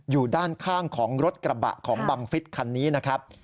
อยู่ด้านข้างของรถกระบะของบังฟิศคันนี้นะครับ